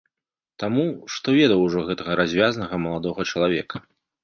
Таму, што ведаў ужо гэтага развязнага маладога чалавека.